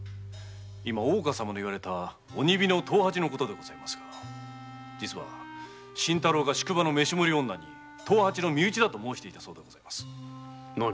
今大岡様が言われた鬼火の藤八のことでございますが実は新太郎が宿場の飯盛り女に藤八の身内だと申していた何そうです。